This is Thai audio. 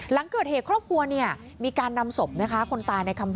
หลังเกิดเหตุครอบครัวเนี่ยมีการนำศพนะคะ